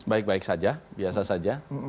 baik baik saja biasa saja